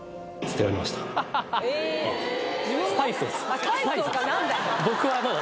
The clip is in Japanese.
スパイスをか何だ